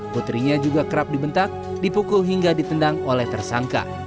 putrinya juga kerap dibentak dipukul hingga ditendang oleh tersangka